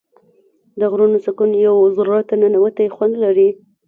د غرونو سکون یو زړه ته ننووتی خوند لري.